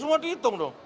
semua dihitung dong